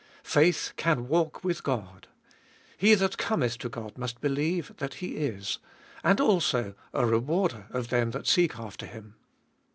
Faith can walk with God. He that cometh to God must believe that He is. And also a rewarder of them that seek after Him.